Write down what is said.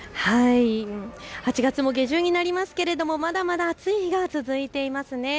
８月も下旬になりますがまだまだ暑い日が続いていますね。